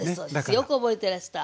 よく覚えてらした。